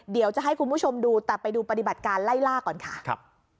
เดี๋ยวจะให้คุณผู้ชมดูแต่ไปดูปฏิบัติการไล่ล่าก่อนค่ะครับ